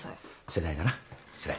世代だな世代。